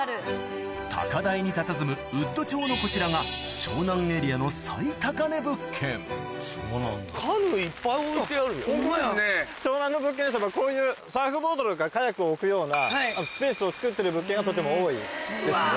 高台にたたずむウッド調のこちらが湘南エリアの湘南の物件ですとこういうサーフボードとかカヤックを置くようなスペースをつくってる物件がとても多いですね。